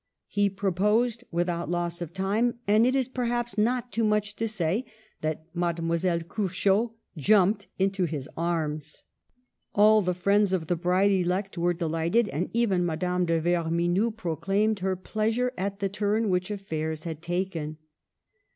He proposed without loss of time, and it is, perhaps, not too much to say, that Mademoiselle Curchod jumped into his arms. All the friends of the bride elect were delight ed, and even Madame de Vermenoux proclaimed her pleasure at the turn which affairs had taken.